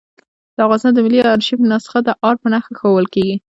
د افغانستان د ملي آرشیف نسخه د آر په نخښه ښوول کېږي.